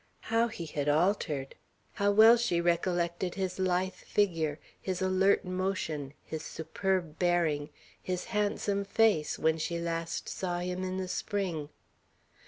How he had altered! How well she recollected his lithe figure, his alert motion, his superb bearing, his handsome face, when she last saw him in the spring!